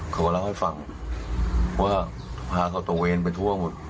เขาก็เล่าให้ฟังว่าพาเขาตระเวนไปทั่วหมด